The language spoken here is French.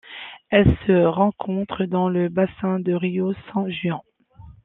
Elle se rencontre dans le bassin du Río San Juan.